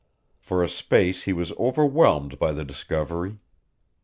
For a space he was overwhelmed by the discovery.